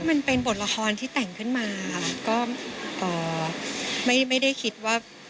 มันเป็นบทละครที่แต่งขึ้นมาแล้วก็ไม่ได้คิดว่า